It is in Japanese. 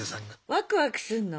ワクワクすんの？